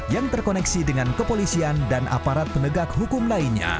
yang terkoneksi dengan kepolisian dan aparat penegak hukum lainnya